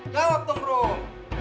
jawab dong rom